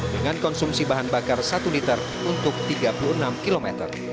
dengan konsumsi bahan bakar satu liter untuk tiga puluh enam km